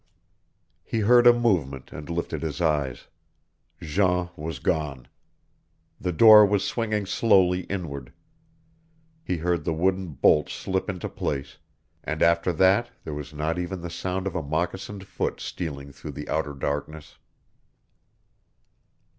He heard a movement and lifted his eyes. Jean was gone. The door was swinging slowly inward. He heard the wooden bolt slip into place, and after that there was not even the sound of a moccasined foot stealing through the outer darkness.